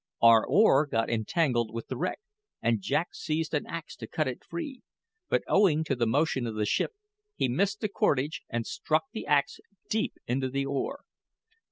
Our oar got entangled with the wreck, and Jack seized an axe to cut it free; but owing to the motion of the ship, he missed the cordage and struck the axe deep into the oar.